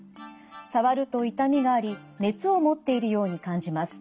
触ると痛みがあり熱を持っているように感じます。